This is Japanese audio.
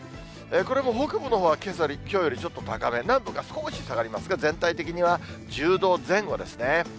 これも北部のほうは、けさより、きょうよりちょっと高め、南部が少し下がりますが、全体的には１０度前後ですね。